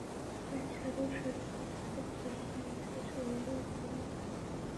তাই সাগর সৈকতে হাত বাড়ালে মানুষের সঙ্গে গাঙ পাখি খেলা করে।